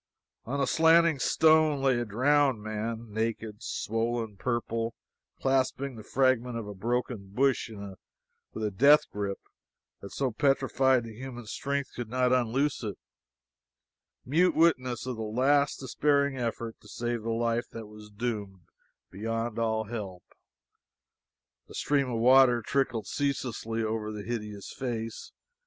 On a slanting stone lay a drowned man, naked, swollen, purple; clasping the fragment of a broken bush with a grip which death had so petrified that human strength could not unloose it mute witness of the last despairing effort to save the life that was doomed beyond all help. A stream of water trickled ceaselessly over the hideous face.